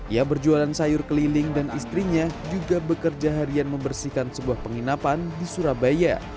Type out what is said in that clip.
ia berjualan sayur keliling dan istrinya juga bekerja harian membersihkan sebuah penginapan di surabaya